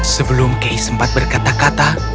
sebelum kay sempat berkata kata